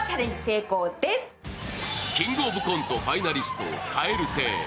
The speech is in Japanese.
「キングオブコント」ファイナリスト蛙亭。